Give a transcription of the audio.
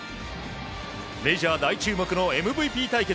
メジャー大注目のＭＶＰ対決。